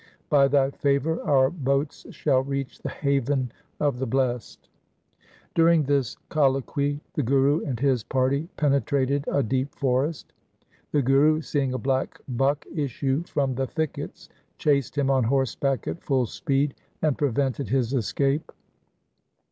By thy favour our boats shall reach the haven of the blest.' 1 Sukhmani. 282 THE SIKH RELIGION During this colloquy the Guru and his party penetrated a deep forest. The Guru, seeing a black buck issue from the thickets, chased him on horseback at full speed and prevented his escape.